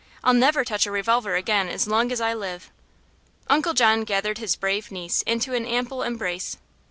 I'll never touch a revolver again as long as I live." Uncle John gathered his brave niece into an ample embrace.